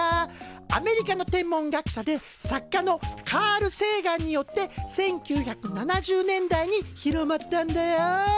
アメリカの天文学者で作家のカール・セーガンによって１９７０年代に広まったんだよ。